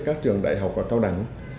các trường đại học và cao đẳng